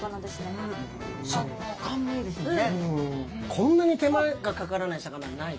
こんなに手間がかからない魚いない。